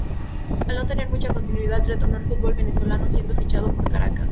Al no tener mucha continuidad, retornó al fútbol venezolano siendo fichado por Caracas.